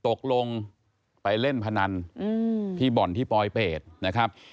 ตกลงไปเล่นพนันที่บ่อนที่ปลอยเป็ดนะครับ